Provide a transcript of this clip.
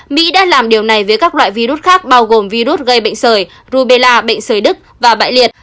mỹ đã làm điều này với các loại virus khác bao gồm virus gây bệnh sởi rubella bệnh sởi đức và bại liệt